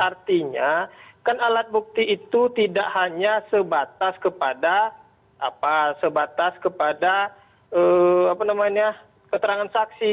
artinya kan alat bukti itu tidak hanya sebatas kepada sebatas kepada keterangan saksi